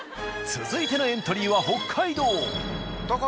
続いてのエントリーは北海道。